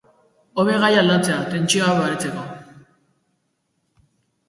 Hobe gaia aldatzea, tentsioa baretzeko.